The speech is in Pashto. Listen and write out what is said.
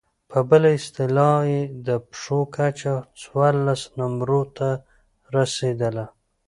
په بله اصطلاح يې د پښو کچه څوارلس نمبرو ته رسېدله.